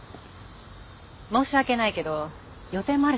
申し訳ないけど予定もあるし。